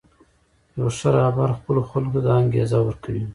یو ښه رهبر خپلو خلکو ته دا انګېزه ورکوي.